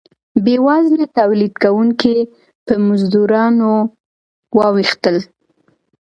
بیوزله تولید کوونکي په مزدورانو واوښتل.